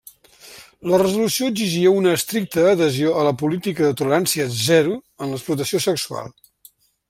La resolució exigia una estricta adhesió a la política de tolerància zero en l'explotació sexual.